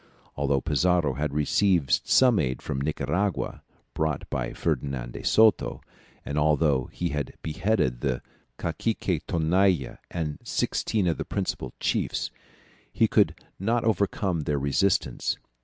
Although Pizarro had received some aid from Nicaragua, brought by Ferdinand de Soto, and although he had beheaded the cacique Tonalla and sixteen of the principal chiefs, he could not overcome their resistance.